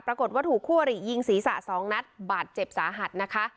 ปรากฏว่าถูกคู่อริยิงศีรษะสองนัดบาดเจ็บสาหัสนะคะ